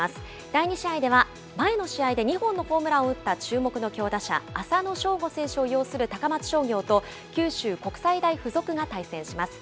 第２試合では前の試合で２本のホームランを打った注目の強打者、浅野翔吾選手を擁する高松商業と、九州国際大付属が対戦します。